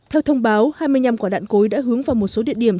theo thông báo hai mươi năm quả đạn cối đã hướng vào một số địa điểm